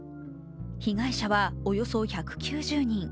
被害者はおよそ１９０人。